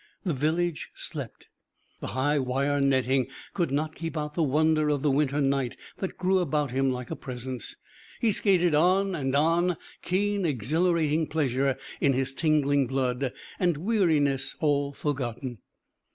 The village slept. The high wire netting could not keep out the wonder of the winter night that grew about him like a presence. He skated on and on, keen exhilarating pleasure in his tingling blood, and weariness all forgotten.